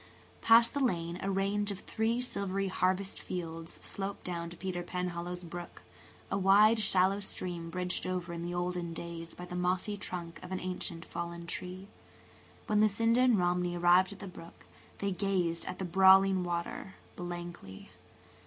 Past the lane a range of three silvery harvest fields sloped down to Peter Penhallow's brook–a wide, shallow stream bridged over in the olden days by the mossy trunk of an ancient fallen tree. When Lucinda and Romney arrived at the brook, they gazed at the brawling water blankly.